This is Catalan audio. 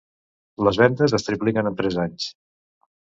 Les vendes es tripliquen en tres anys.